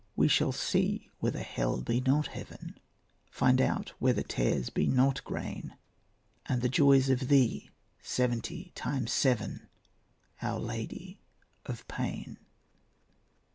We shall see whether hell be not heaven, Find out whether tares be not grain, And the joys of thee seventy times seven, Our Lady of Pain.